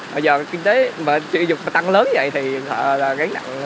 bây giờ kinh tế y dược tăng lớn như vậy thì gánh nặng lớn hơn